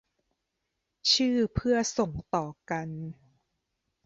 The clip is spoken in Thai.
ชื่อเพื่อส่งต่อกัน